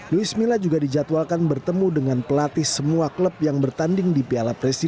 luis mila juga dijadwalkan bertemu dengan pelatih semua klub yang bertanding di piala presiden